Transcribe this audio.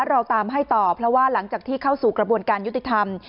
เราตามให้ต่อเพราะว่าหลังจากที่เข้าสู่กระบวนการยุติธรรม